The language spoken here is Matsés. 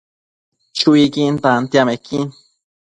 Chuiquin tantiamequin